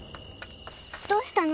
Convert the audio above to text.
どうしたの？